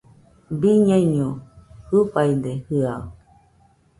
Biñaiño jɨfaide jɨaɨ